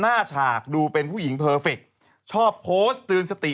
ฉากดูเป็นผู้หญิงเพอร์เฟคชอบโพสต์เตือนสติ